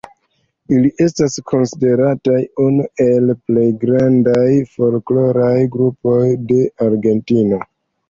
Ili estas konsiderataj unu el plej grandaj folkloraj grupoj de Argentino.